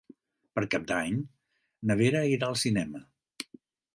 Per Cap d'Any na Vera irà al cinema.